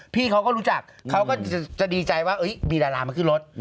พี่เขาก็รู้จักเขาก็จะดีใจว่ามีดารามาขึ้นรถ